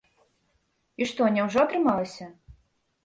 І што, няўжо атрымалася?